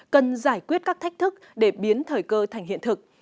cần giải quyết các thách thức để biến thời cơ thành hiện thực